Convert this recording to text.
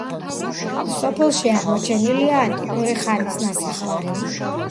სოფელში აღმოჩენილია ანტიკური ხანის ნასახლარი.